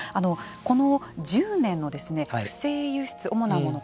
この１０年の不正輸出主なもの